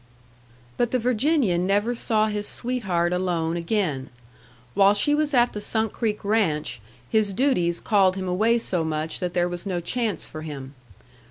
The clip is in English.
But the Virginian never saw his sweetheart alone again; while she was at the Sunk Creek Ranch, his duties called him away so much that there was no chance for him.